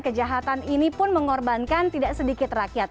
kejahatan ini pun mengorbankan tidak sedikit rakyat